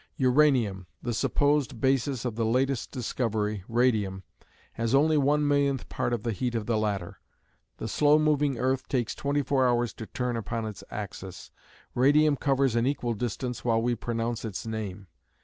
Uranium, the supposed basis of the latest discovery, Radium, has only one millionth part of the heat of the latter. The slow moving earth takes twenty four hours to turn upon its axis. Radium covers an equal distance while we pronounce its name.